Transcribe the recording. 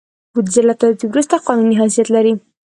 بودیجه له تصویب وروسته قانوني حیثیت لري.